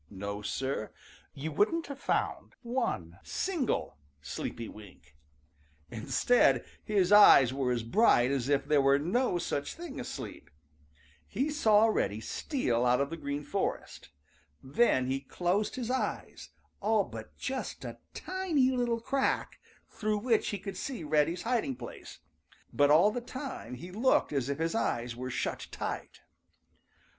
No, Sir, you wouldn't have found one single sleepy wink! Instead, his eyes were as bright as if there were no such thing as sleep. He saw Reddy steal out of the Green Forest. Then he closed his eyes all but just a tiny little crack, through which he could see Reddy's hiding place, but all the time he looked as if his eyes were shut tight.